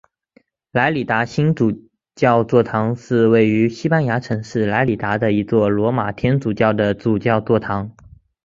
莱里达新主教座堂是位于西班牙城市莱里达的一座罗马天主教的主教座堂。